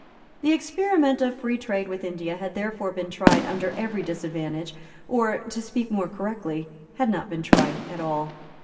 The experiment of free trade with India had therefore been tried under every disadvantage, or, to speak more correctly, had not been tried at all.